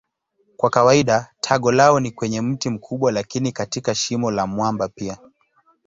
Kwa kawaida tago lao ni kwenye mti mkubwa lakini katika shimo la mwamba pia.